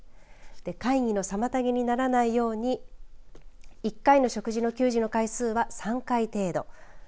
会議の妨げにならないように１回の食事の給仕の回数は３回程度。